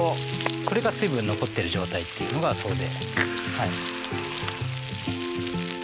これが水分残っている状態というのがそうで。